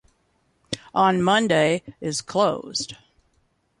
On Monday is closed.